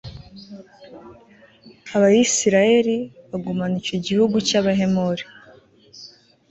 abayisraheli bagumana batyo icyo gihugu cy'abahemori